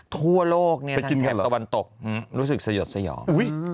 ทั่วโลกทางแท็บตะวันตกรู้สึกสยดสยอง